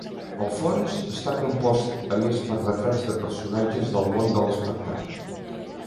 El fons està compost a més per retrats de personatges del món de l'espectacle.